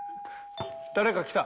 誰か来た。